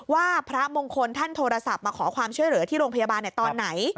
ว่าพระมงคลท่านโทรศัพท์มาขอความช่วยเหลือที่โรงพยาบาลตอนไหน